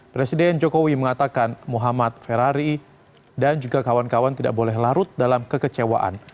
presiden jokowi mengatakan muhammad ferrari dan juga kawan kawan tidak boleh larut dalam kekecewaan